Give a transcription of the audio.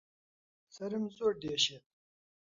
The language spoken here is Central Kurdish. سەرم زۆر دێشێت